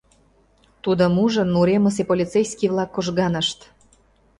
Тудым ужын, уремысе полицейский-влак кожганышт.